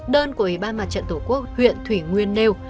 đơn của ủy ban mặt trận tổ quốc huyện thủy nguyên nêu